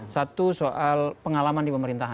satu soal pengalaman di pemerintahan